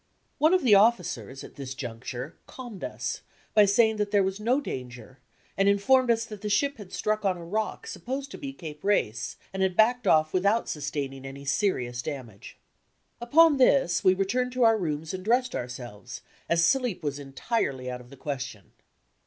One of the officers, at this juncture, calmed us by saying that there was no danger, and informed us that the ship had struck on a rock supposed to be Cape Race, and had backed off without sustaining any SKETCHES OF TRAVEL serious damage. Upon this we returned to our rooms and dressed ourselves, as sleep was entirely out of the question.